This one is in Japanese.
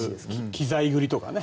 機材繰りとかね